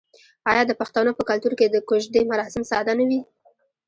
آیا د پښتنو په کلتور کې د کوژدې مراسم ساده نه وي؟